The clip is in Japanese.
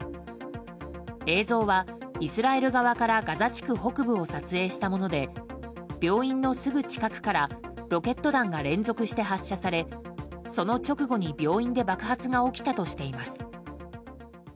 映像はイスラエル側からガザ地区北部を撮影したもので病院のすぐ近くからロケット弾が連続して発射されその直後に病院で爆発が起きたとしています。